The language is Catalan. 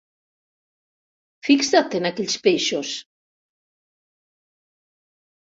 Fixa't en aquells peixos!